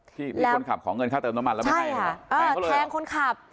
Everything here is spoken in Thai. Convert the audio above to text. ที่มีคนขับขอเงินค่าเติมน้ำมันแล้วไม่ให้แทงเขาเลยเหรอใช่ค่ะแทงคนขับ